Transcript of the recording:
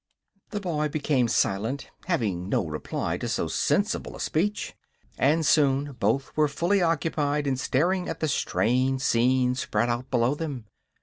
The boy became silent, having no reply to so sensible a speech, and soon both were fully occupied in staring at the strange scenes spread out below them.